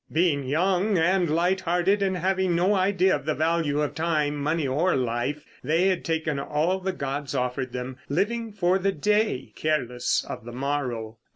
Being young and lighthearted and having no idea of the value of time, money or life, they had taken all the gods offered them, living for the day, careless of the morrow.